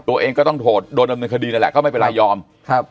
ตัวเองก็ต้องโทษโดนดำเนินคดีนั่นแหละก็ไม่เป็นไรยอมครับ